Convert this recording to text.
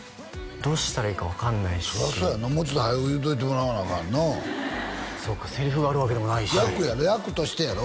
どうしたらいいか分かんないしそりゃそうやなもうちょっと早よ言うといてもらわなアカンなそうかセリフがあるわけでもないし役やで役としてやろ？